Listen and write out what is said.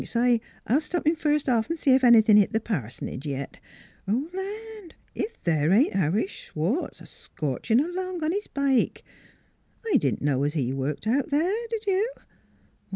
" Thinks s' I, I'll stop in first off an' see if anythin' hit th' pars'tiage, yit. ... Land! if there ain't Harry Schwartz scorchin' along on his bike! I didn't know as he worked out there; did you?